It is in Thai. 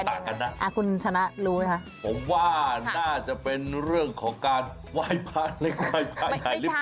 ต่างกันนะคุณชนะรู้ไหมคะผมว่าน่าจะเป็นเรื่องของการไหว้พระเล็กไหว้พระใหญ่หรือเปล่า